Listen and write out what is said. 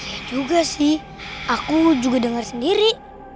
ya juga sih aku juga dengar sendiri